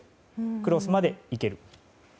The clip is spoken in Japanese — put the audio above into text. クロスまで行けると。